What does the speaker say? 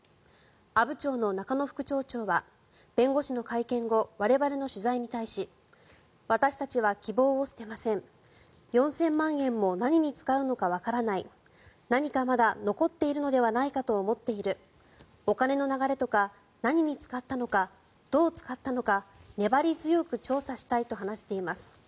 阿武町の中野副町長は弁護士の会見後我々の取材に対し私たちは希望を捨てません４０００万円も何に使うのかわからない何かまだ残っているのではないかと思っているお金の流れとか何に使ったのかどう使ったのか粘り強く調査したいと話しています。